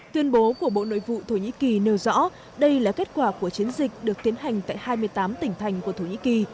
tuyên bố của bộ nội vụ thổ nhĩ kỳ nêu rõ đây là kết quả của chiến dịch được tiến hành tại hai mươi tám tỉnh thành của thổ nhĩ kỳ